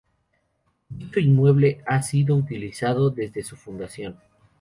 Dicho inmueble ha sido utilizado desde su fundación.